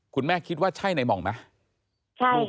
คุณแม่คิดว่าใช่ในหม่องไหม